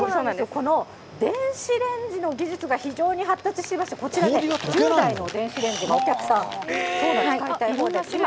この電子レンジの技術が非常に発達していまして、こちらね、１０台の電子レンジが、お客さん、使いたい放題。